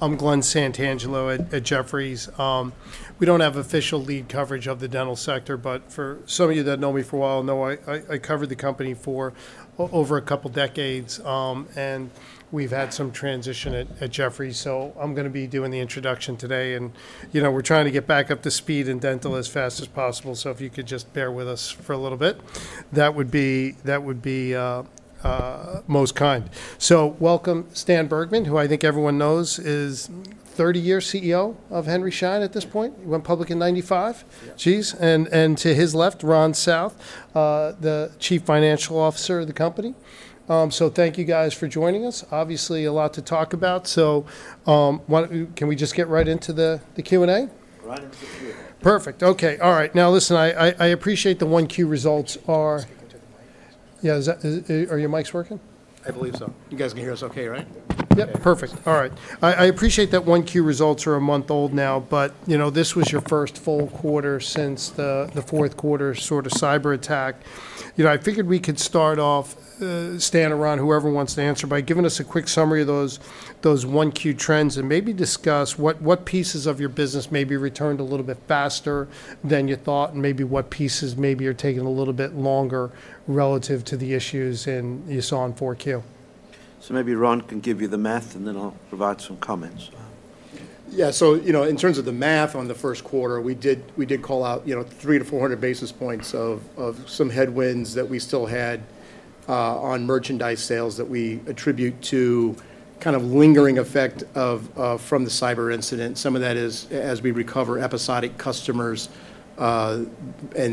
I'm Glenn Santangelo at Jefferies. We don't have official lead coverage of the dental sector, but for some of you that know me for a while, know I covered the company for over a couple decades. We've had some transition at Jefferies, so I'm gonna be doing the introduction today. You know, we're trying to get back up to speed in dental as fast as possible. If you could just bear with us for a little bit, that would be most kind. Welcome, Stan Bergman, who I think everyone knows is 30-year CEO of Henry Schein at this point. He went public in 1995. Yeah. Geez, and to his left, Ron South, the Chief Financial Officer of the company. So thank you guys for joining us. Obviously, a lot to talk about, so can we just get right into the Q&A? Right into the Q&A. Perfect. Okay. All right. Now, listen, I appreciate the 1Q results are- Speak into the mic. Yeah, are your mics working? I believe so. You guys can hear us okay, right? Yep, perfect. All right. I appreciate that 1Q results are a month old now, but, you know, this was your first full quarter since the fourth quarter sort of cyberattack. You know, I figured we could start off, Stan or Ron, whoever wants to answer, by giving us a quick summary of those 1Q trends, and maybe discuss what pieces of your business maybe returned a little bit faster than you thought, and maybe what pieces maybe are taking a little bit longer relative to the issues you saw in 4Q. Maybe Ron can give you the math, and then I'll provide some comments. Yeah, so, you know, in terms of the math on the first quarter, we did, we did call out, you know, 300-400 basis points of some headwinds that we still had on merchandise sales that we attribute to kind of lingering effect of from the cyber incident. Some of that is as we recover episodic customers, and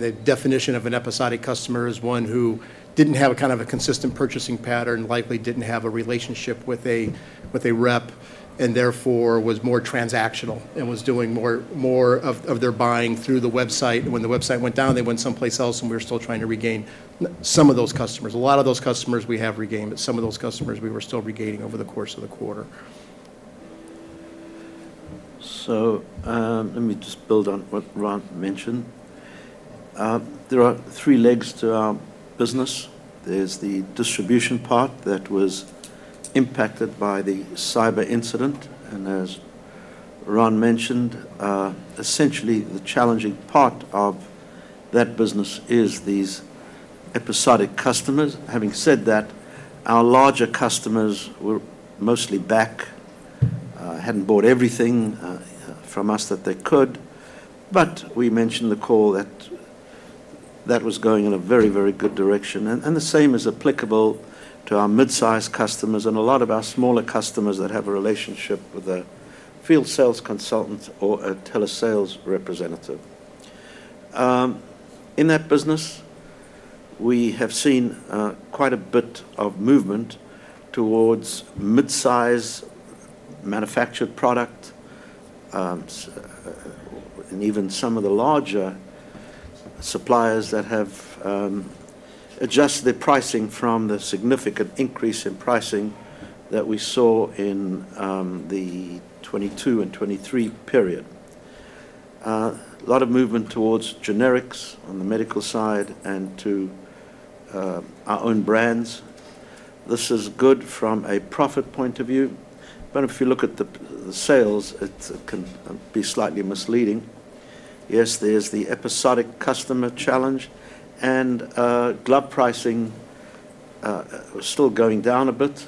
the definition of an episodic customer is one who didn't have a kind of a consistent purchasing pattern, likely didn't have a relationship with a, with a rep, and therefore, was more transactional and was doing more, more of, of their buying through the website. When the website went down, they went someplace else, and we're still trying to regain some of those customers. A lot of those customers we have regained, but some of those customers we were still regaining over the course of the quarter. So, let me just build on what Ron mentioned. There are three legs to our business. There's the distribution part that was impacted by the cyber incident, and as Ron mentioned, essentially, the challenging part of that business is these episodic customers. Having said that, our larger customers were mostly back, hadn't bought everything from us that they could, but we mentioned the call that that was going in a very, very good direction. And the same is applicable to our mid-sized customers and a lot of our smaller customers that have a relationship with a field sales consultant or a telesales representative. In that business, we have seen quite a bit of movement towards mid-size manufactured product, and even some of the larger suppliers that have adjusted their pricing from the significant increase in pricing that we saw in the 2022 and 2023 period. A lot of movement towards generics on the medical side and to our own brands. This is good from a profit point of view, but if you look at the sales, it can be slightly misleading. Yes, there's the episodic customer challenge, and glove pricing was still going down a bit.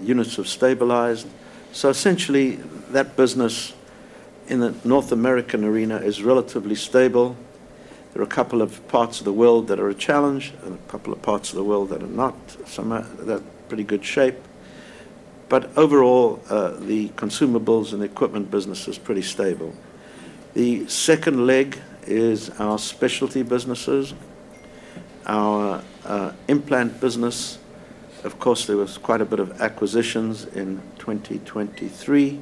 Units have stabilized. So essentially, that business in the North American arena is relatively stable. There are a couple of parts of the world that are a challenge and a couple of parts of the world that are not. Some are in pretty good shape. But overall, the consumables and equipment business is pretty stable. The second leg is our specialty businesses. Our implant business, of course, there was quite a bit of acquisitions in 2023.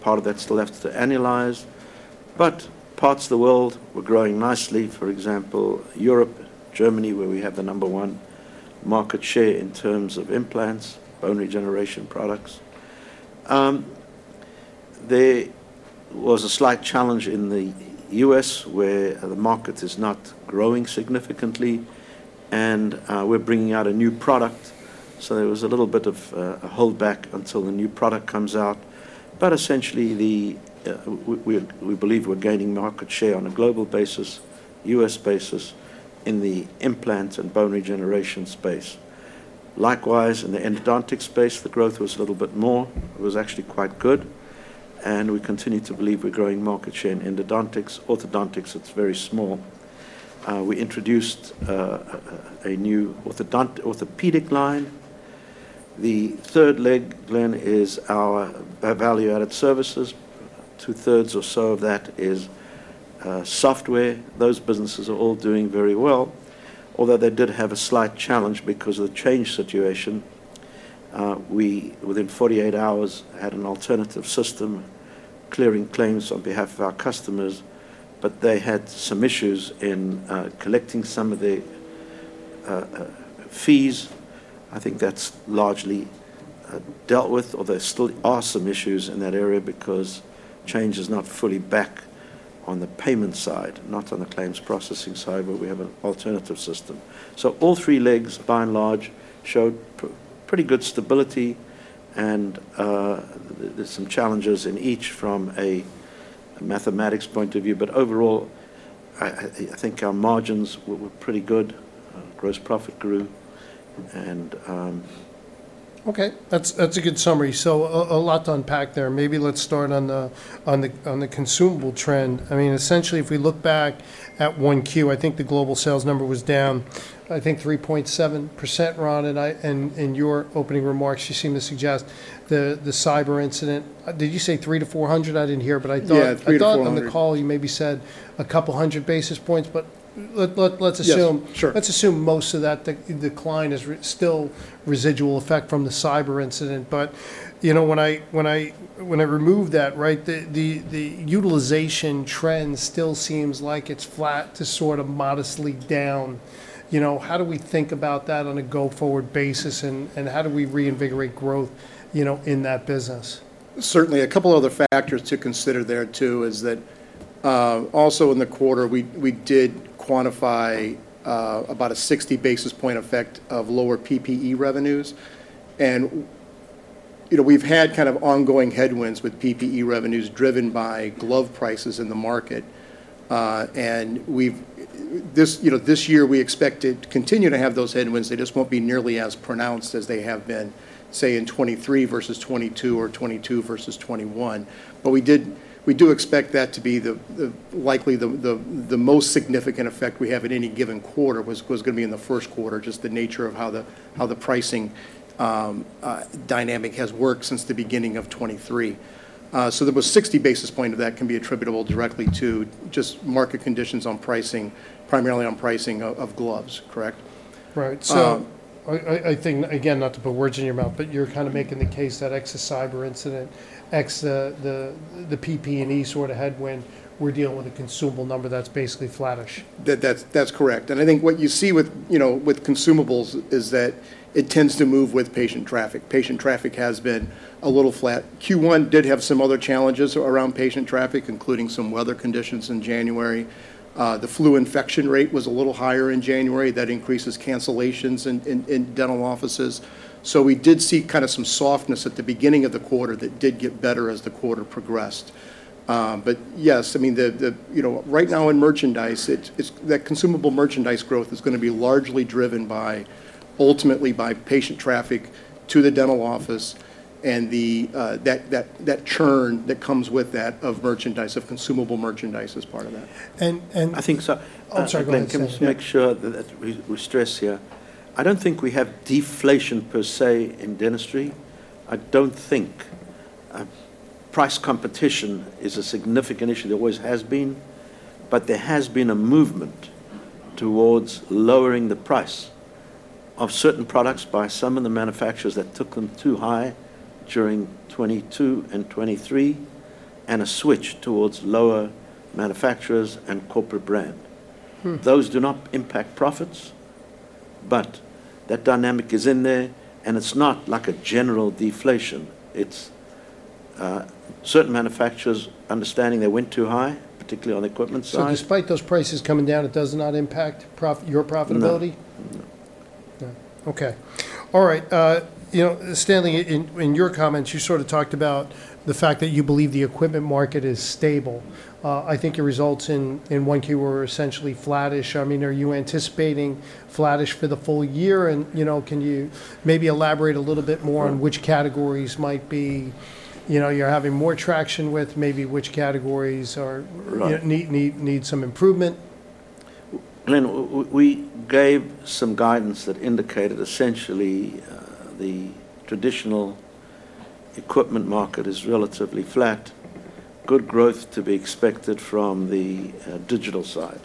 Part of that's still left to annualize, but parts of the world were growing nicely. For example, Europe, Germany, where we have the number one market share in terms of implants, bone regeneration products. There was a slight challenge in the U.S., where the market is not growing significantly, and we're bringing out a new product. So there was a little bit of a holdback until the new product comes out. But essentially, we believe we're gaining market share on a global basis, U.S. basis, in the implant and bone regeneration space. Likewise, in the endodontic space, the growth was a little bit more. It was actually quite good, and we continue to believe we're growing market share in endodontics. Orthodontics, it's very small. We introduced a new orthopedic line. The third leg, Glenn, is our value-added services. 2/3 or so of that is software. Those businesses are all doing very well, although they did have a slight challenge because of the Change Healthcare situation. We, within 48 hours, had an alternative system, clearing claims on behalf of our customers, but they had some issues in collecting some of the fees. I think that's largely dealt with, although there still are some issues in that area because Change Healthcare is not fully back on the payment side, not on the claims processing side, where we have an alternative system. So all three legs, by and large, showed pretty good stability, and there's some challenges in each from a mathematics point of view. But overall, I think our margins were pretty good. Gross profit grew, and Okay, that's a good summary. So a lot to unpack there. Maybe let's start on the consumable trend. I mean, essentially, if we look back at 1Q, I think the global sales number was down, I think, 3.7%, Ron, and in your opening remarks, you seemed to suggest the cyber incident. Did you say 300-$400? I didn't hear, but I thought- Yeah, 300-400. I thought on the call you maybe said 200 basis points, but let’s assume- Yes, sure. Let's assume most of that decline is still residual effect from the cyber incident. But, you know, when I remove that, right, the utilization trend still seems like it's flat to sort of modestly down. You know, how do we think about that on a go-forward basis, and how do we reinvigorate growth, you know, in that business? Certainly, a couple other factors to consider there, too, is that, also in the quarter, we did quantify about a 60 basis point effect of lower PPE revenues. And, you know, we've had kind of ongoing headwinds with PPE revenues driven by glove prices in the market. And we've... This, you know, this year, we expect to continue to have those headwinds. They just won't be nearly as pronounced as they have been, say, in 2023 versus 2022 or 2022 versus 2021. But we did- we do expect that to be the likely the most significant effect we have in any given quarter, was gonna be in the first quarter, just the nature of how the pricing dynamic has worked since the beginning of 2023. So, there was 60 basis points of that can be attributable directly to just market conditions on pricing, primarily on pricing of, of gloves. Correct? Right. Um- So I think, again, not to put words in your mouth, but you're kinda making the case that the Change Healthcare cyber incident, the PPE sort of headwind, we're dealing with a consumable number that's basically flattish. That's correct. And I think what you see with, you know, with consumables is that it tends to move with patient traffic. Patient traffic has been a little flat. Q1 did have some other challenges around patient traffic, including some weather conditions in January. The flu infection rate was a little higher in January. That increases cancellations in dental offices. So we did see kinda some softness at the beginning of the quarter that did get better as the quarter progressed. But yes, I mean, you know, right now in merchandise, it's that consumable merchandise growth is gonna be largely driven by, ultimately by patient traffic to the dental office and the churn that comes with that of merchandise, of consumable merchandise, as part of that. And, and- I think so- Oh, I'm sorry, go ahead. Can we make sure that we stress here? I don't think we have deflation per se in dentistry. I don't think price competition is a significant issue. It always has been, but there has been a movement towards lowering the price of certain products by some of the manufacturers that took them too high during 2022 and 2023, and a switch towards lower manufacturers and corporate brand. Mm. Those do not impact profits, but that dynamic is in there, and it's not like a general deflation. It's certain manufacturers understanding they went too high, particularly on the equipment side. Despite those prices coming down, it does not impact your profitability? No. No. No. Okay. All right, you know, Stanley, in your comments, you sort of talked about the fact that you believe the equipment market is stable. I think your results in 1Q were essentially flattish. I mean, are you anticipating flattish for the full year? And, you know, can you maybe elaborate a little bit more- Sure... on which categories might be, you know, you're having more traction with, maybe which categories are- Right... need some improvement? Glenn, we gave some guidance that indicated essentially, the traditional equipment market is relatively flat. Good growth to be expected from the digital side.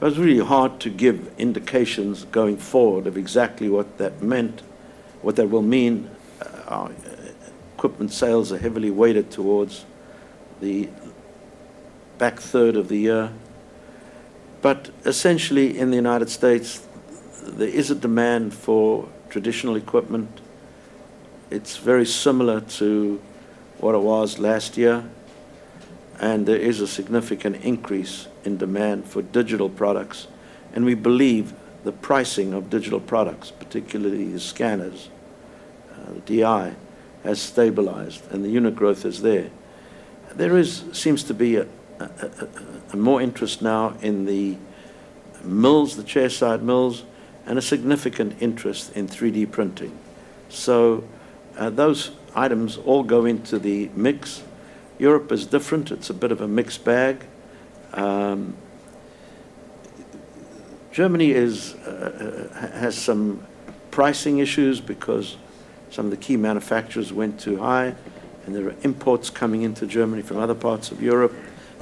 But it's really hard to give indications going forward of exactly what that meant, what that will mean. Equipment sales are heavily weighted towards the back third of the year. But essentially, in the United States, there is a demand for traditional equipment. It's very similar to what it was last year, and there is a significant increase in demand for digital products. And we believe the pricing of digital products, particularly the scanners, DI, has stabilized, and the unit growth is there. There seems to be more interest now in the mills, the chairside mills, and a significant interest in 3D printing. So, those items all go into the mix. Europe is different. It's a bit of a mixed bag. Germany has some pricing issues because some of the key manufacturers went too high, and there are imports coming into Germany from other parts of Europe.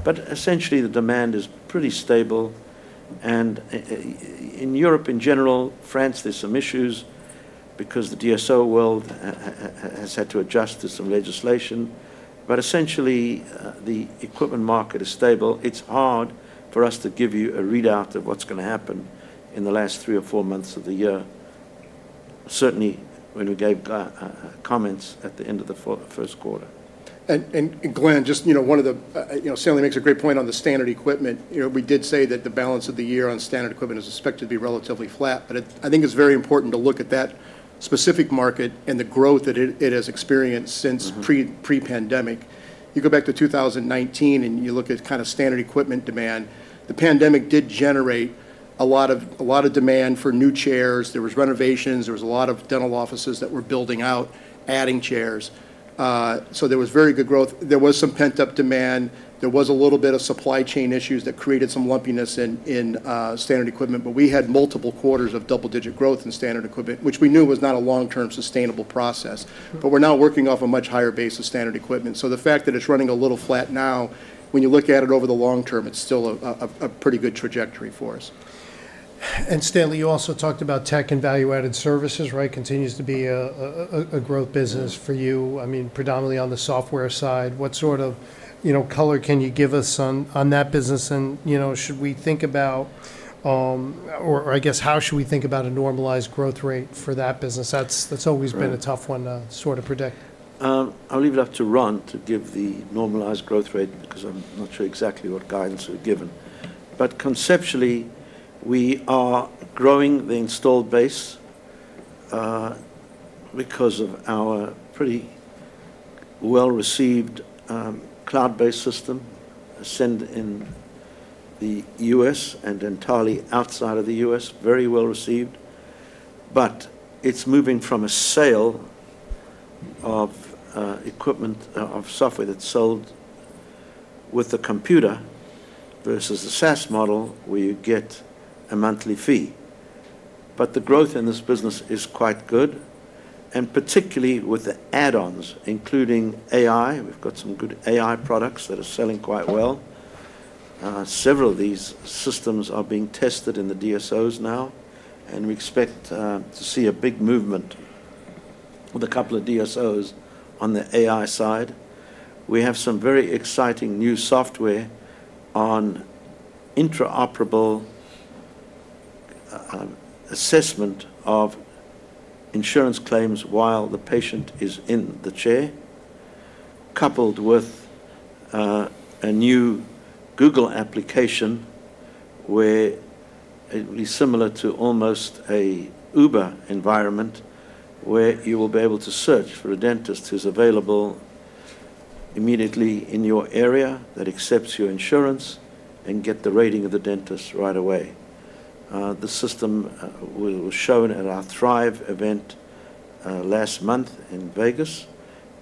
But essentially, the demand is pretty stable, in Europe, in general, France, there's some issues because the DSO world has had to adjust to some legislation. But essentially, the equipment market is stable. It's hard for us to give you a readout of what's gonna happen in the last three or four months of the year... certainly when we gave comments at the end of the first quarter. Glenn, just, you know, one of the, you know, Stanley makes a great point on the standard equipment. You know, we did say that the balance of the year on standard equipment is expected to be relatively flat, but it, I think it's very important to look at that specific market and the growth that it has experienced since- Mm-hmm... pre-pandemic. You go back to 2019, and you look at kind of standard equipment demand, the pandemic did generate a lot of, a lot of demand for new chairs. There was renovations. There was a lot of dental offices that were building out, adding chairs. So there was very good growth. There was some pent-up demand. There was a little bit of supply chain issues that created some lumpiness in standard equipment, but we had multiple quarters of double-digit growth in standard equipment, which we knew was not a long-term sustainable process. Mm. But we're now working off a much higher base of standard equipment. So the fact that it's running a little flat now, when you look at it over the long term, it's still a pretty good trajectory for us. And Stanley, you also talked about tech and value-added services, right? Continues to be a growth business- Mm... for you, I mean, predominantly on the software side. What sort of, you know, color can you give us on that business, and, you know, should we think about or I guess, how should we think about a normalized growth rate for that business? That's always been- Right... a tough one to sort of predict. I'll leave it up to Ron to give the normalized growth rate because I'm not sure exactly what guidance we've given. But conceptually, we are growing the installed base, because of our pretty well-received, cloud-based system, Dentrix Ascend in the U.S. and entirely outside of the U.S., very well-received. But it's moving from a sale of, equipment, of, of software that's sold with a computer versus a SaaS model, where you get a monthly fee. But the growth in this business is quite good, and particularly with the add-ons, including AI. We've got some good AI products that are selling quite well. Several of these systems are being tested in the DSOs now, and we expect, to see a big movement with a couple of DSOs on the AI side. We have some very exciting new software on interoperable assessment of insurance claims while the patient is in the chair, coupled with a new Google application, where it will be similar to almost a Uber environment, where you will be able to search for a dentist who's available immediately in your area, that accepts your insurance, and get the rating of the dentist right away. The system was shown at our Thrive event last month in Vegas,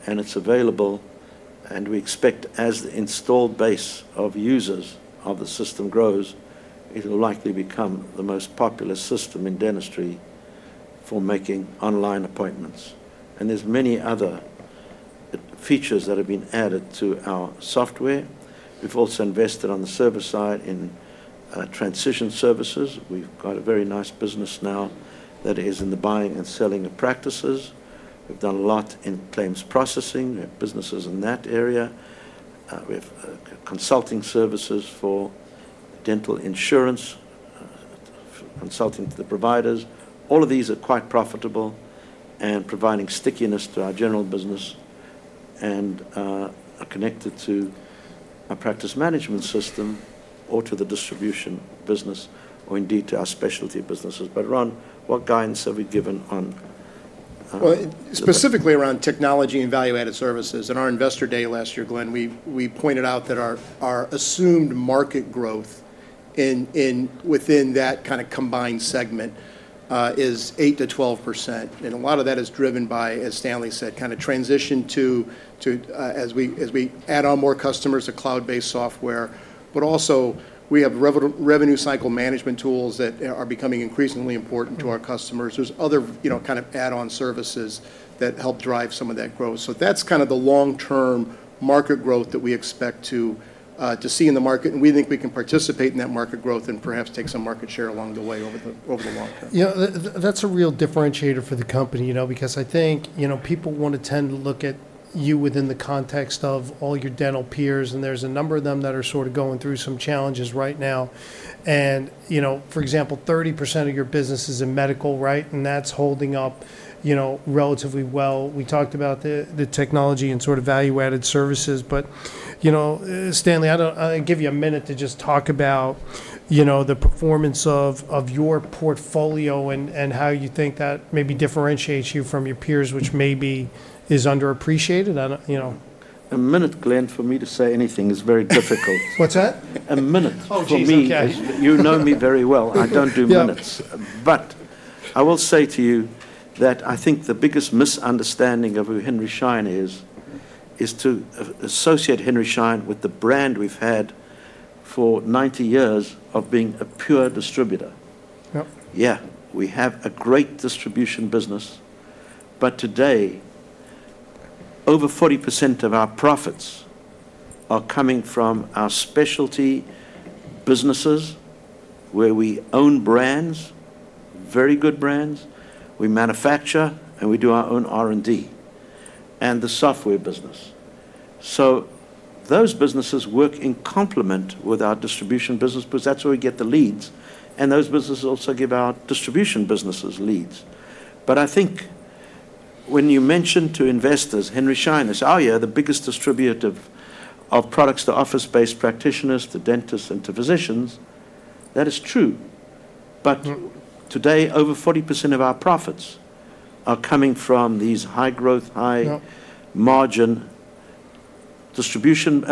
and it's available, and we expect as the installed base of users of the system grows, it'll likely become the most popular system in dentistry for making online appointments. And there's many other features that have been added to our software. We've also invested on the service side in transition services. We've got a very nice business now that is in the buying and selling of practices. We've done a lot in claims processing. We have businesses in that area. We have consulting services for dental insurance, consulting to the providers. All of these are quite profitable and providing stickiness to our general business and are connected to a practice management system or to the distribution business or indeed to our specialty businesses. But Ron, what guidance have we given on Well, specifically around technology and value-added services, in our Investor Day last year, Glenn, we pointed out that our assumed market growth within that kind of combined segment is 8%-12%, and a lot of that is driven by, as Stanley said, kind of transition to, as we add on more customers to cloud-based software. But also, we have revenue cycle management tools that are becoming increasingly important- Mm... to our customers. There's other, you know, kind of add-on services that help drive some of that growth. So that's kind of the long-term market growth that we expect to, to see in the market, and we think we can participate in that market growth and perhaps take some market share along the way over the, over the long term. Yeah, that's a real differentiator for the company, you know, because I think, you know, people want to tend to look at you within the context of all your dental peers, and there's a number of them that are sort of going through some challenges right now. You know, for example, 30% of your business is in medical, right? And that's holding up, you know, relatively well. We talked about the technology and sort of value-added services, but, you know, Stanley, I'll give you a minute to just talk about, you know, the performance of your portfolio and how you think that maybe differentiates you from your peers, which maybe is underappreciated. I don't, you know... A minute, Glenn, for me to say anything is very difficult. What's that? A minute for me- Oh, geez, okay. You know me very well. Yeah. I don't do minutes. But I will say to you that I think the biggest misunderstanding of who Henry Schein is, is to associate Henry Schein with the brand we've had for 90 years of being a pure distributor. Yep. Yeah. We have a great distribution business, but today, over 40% of our profits are coming from our specialty businesses, where we own brands, very good brands. We manufacture, and we do our own R&D... and the software business. So those businesses work in complement with our distribution business, because that's where we get the leads, and those businesses also give our distribution businesses leads. But I think when you mention to investors, Henry Schein, they say, "Oh, yeah, the biggest distributor of, of products to office-based practitioners, to dentists, and to physicians," that is true. Mm-hmm. But today, over 40% of our profits are coming from these high-growth, high- Yep Margin distribution,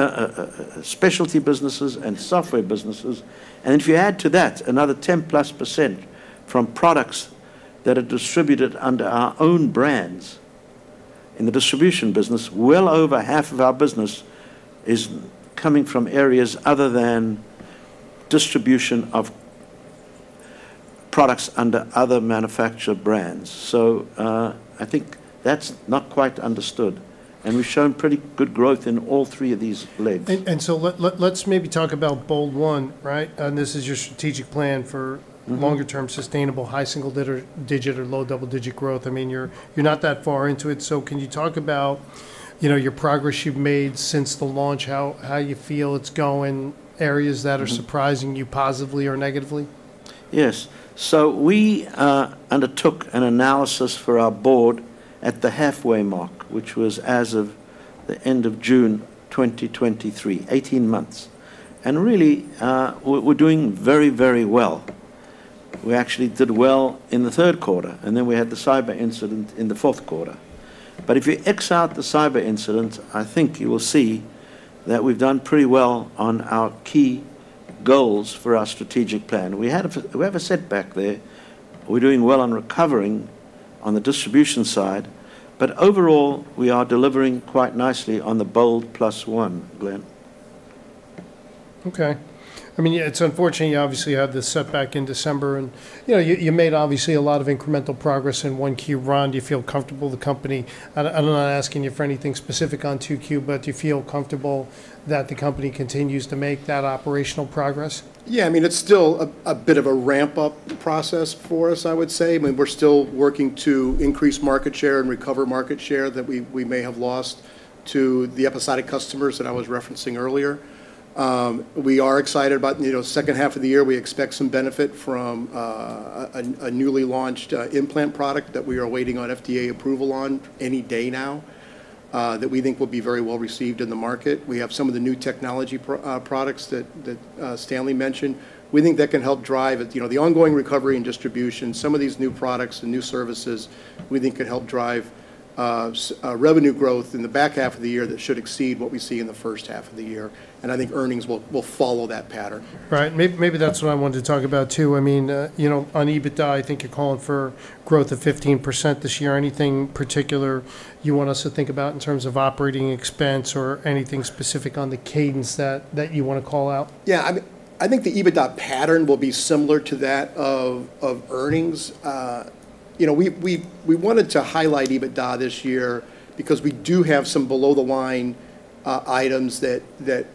specialty businesses and software businesses. And if you add to that another 10%+ from products that are distributed under our own brands in the distribution business, well over half of our business is coming from areas other than distribution of products under other manufacturer brands. So, I think that's not quite understood, and we've shown pretty good growth in all three of these legs. So let's maybe talk about BOLD+1, right? And this is your strategic plan for- Mm-hmm longer-term, sustainable, high single-digit or low double-digit growth. I mean, you're not that far into it, so can you talk about, you know, your progress you've made since the launch, how you feel it's going, areas that are- Mm surprising you positively or negatively? Yes. So we undertook an analysis for our board at the halfway mark, which was as of the end of June 2023, 18 months. And really, we're doing very, very well. We actually did well in the third quarter, and then we had the cyber incident in the fourth quarter. But if you X out the cyber incident, I think you will see that we've done pretty well on our key goals for our strategic plan. We had a f- we have a setback there. We're doing well on recovering on the distribution side, but overall, we are delivering quite nicely on the BOLD+1, Glenn. Okay. I mean, yeah, it's unfortunate you obviously had this setback in December, and, you know, you, you made obviously a lot of incremental progress in 1Q. Ron, do you feel comfortable the company... I'm, I'm not asking you for anything specific on 2Q, but do you feel comfortable that the company continues to make that operational progress? Yeah, I mean, it's still a bit of a ramp-up process for us, I would say. I mean, we're still working to increase market share and recover market share that we may have lost to the episodic customers that I was referencing earlier. We are excited about, you know, the second half of the year. We expect some benefit from a newly launched implant product that we are waiting on FDA approval on any day now, that we think will be very well received in the market. We have some of the new technology products that Stanley mentioned. We think that can help drive it. You know, the ongoing recovery and distribution, some of these new products and new services we think could help drive revenue growth in the back half of the year that should exceed what we see in the first half of the year, and I think earnings will follow that pattern. Right. Maybe that's what I wanted to talk about too. I mean, you know, on EBITDA, I think you're calling for growth of 15% this year. Anything particular you want us to think about in terms of operating expense or anything specific on the cadence that, that you wanna call out? Yeah, I, I think the EBITDA pattern will be similar to that of, of earnings. You know, we, we, we wanted to highlight EBITDA this year because we do have some below-the-line items that, that,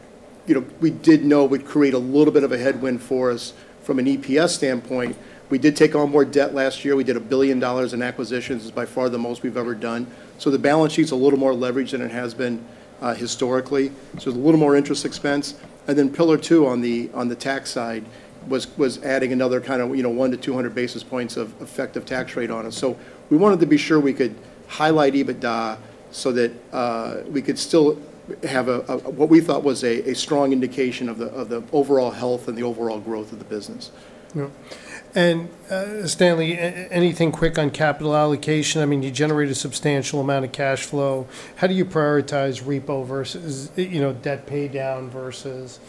you know, we did know would create a little bit of a headwind for us from an EPS standpoint. We did take on more debt last year. We did $1 billion in acquisitions. It's by far the most we've ever done. So the balance sheet's a little more leveraged than it has been, historically, so there's a little more interest expense. And then pillar two on the, on the tax side was, was adding another kind of, you know, 100-200 basis points of effective tax rate on us. So we wanted to be sure we could highlight EBITDA so that we could still have a what we thought was a strong indication of the overall health and the overall growth of the business. Yeah. And, Stanley, anything quick on capital allocation? I mean, you generate a substantial amount of cash flow. How do you prioritize repo versus, you know, debt paydown versus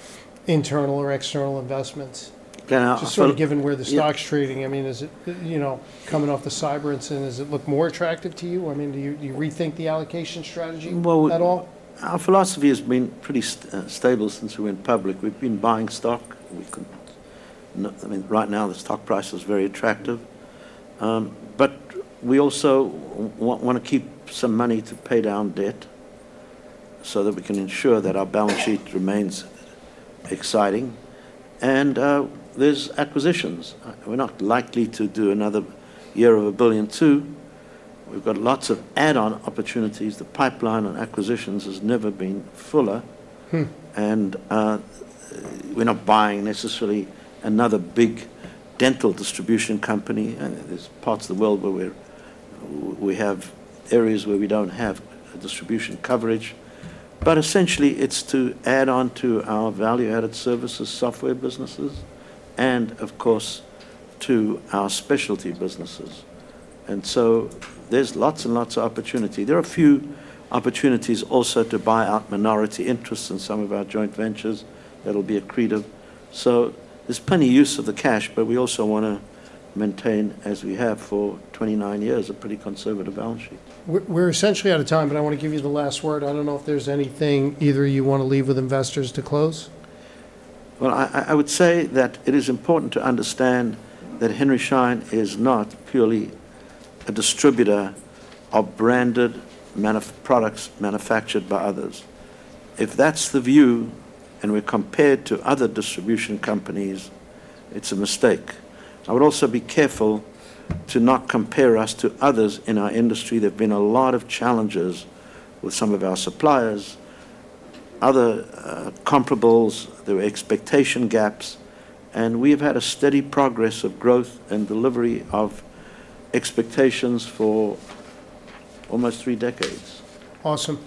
internal or external investments? Yeah, so- Just sort of given where the stock's trading, I mean, is it, you know, coming off the cyber incident, does it look more attractive to you? I mean, do you, do you rethink the allocation strategy at all? Well, our philosophy has been pretty stable since we went public. We've been buying stock. I mean, right now, the stock price is very attractive. But we also wanna keep some money to pay down debt so that we can ensure that our balance sheet remains exciting, and, there's acquisitions. We're not likely to do another year of $1.2 billion. We've got lots of add-on opportunities. The pipeline on acquisitions has never been fuller- Hmm... and, we're not buying necessarily another big dental distribution company, and there's parts of the world where we're, we have areas where we don't have distribution coverage. But essentially, it's to add on to our value-added services, software businesses, and of course, to our specialty businesses. And so there's lots and lots of opportunity. There are a few opportunities also to buy out minority interests in some of our joint ventures that'll be accretive. So there's plenty use of the cash, but we also wanna maintain, as we have for 29 years, a pretty conservative balance sheet. We're essentially out of time, but I want to give you the last word. I don't know if there's anything either of you want to leave with investors to close. Well, I would say that it is important to understand that Henry Schein is not purely a distributor of branded products manufactured by others. If that's the view, and we're compared to other distribution companies, it's a mistake. I would also be careful to not compare us to others in our industry. There have been a lot of challenges with some of our suppliers, other comparables, there were expectation gaps, and we've had a steady progress of growth and delivery of expectations for almost three decades. Awesome.